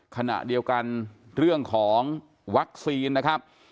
ขณะเดียวกันเรื่องของวัคซีนนะครับ